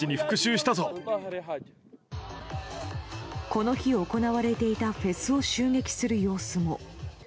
この日、行われていたフェスを襲撃する様子も。